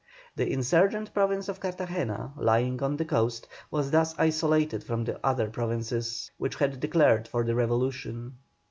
The insurgent Province of Cartagena, lying on the coast, was thus isolated from the other provinces which had declared for the revolution.